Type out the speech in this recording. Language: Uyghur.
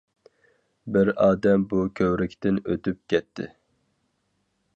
بىر ئادەم بۇ كۆۋرۈكتىن ئۆتۈپ كەتتى.